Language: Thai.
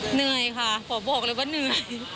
เหนื่อยค่ะขอบอกเลยว่าเหนื่อย